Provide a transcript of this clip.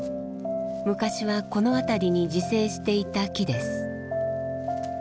昔はこの辺りに自生していた木です。